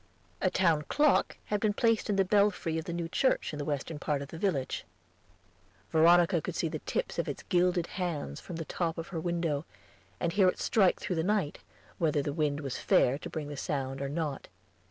A town clock had been placed in the belfry of the new church in the western part of the village. Veronica could see the tips of its gilded hands from the top of her window, and hear it strike through the night, whether the wind was fair to bring the sound or not.